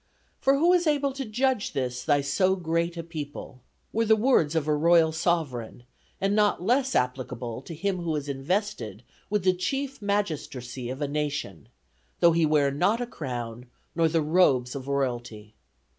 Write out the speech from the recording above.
For who is able to judge this thy so great a people?' were the words of a royal sovereign; and not less applicable to him who is invested with the chief magistracy of a nation, though he wear not a crown, nor the robes of royalty.